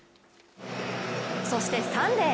そして、サンデー！